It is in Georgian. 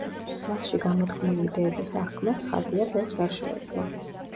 მასში გამოთქმული იდეების აღქმა, ცხადია, ბევრს არ შეეძლო.